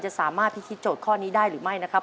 สามารถพิธีโจทย์ข้อนี้ได้หรือไม่นะครับ